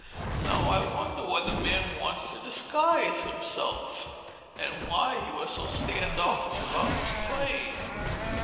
"Now I wonder why the man wants to disguise himself? And why he was so standoffish about his plane?"